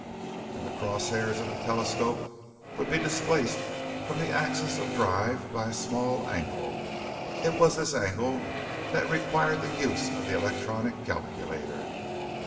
And the cross hairs of the telescope would be displaced from the axis of drive by a small angle. It was this angle that required the use of the electronic calculator.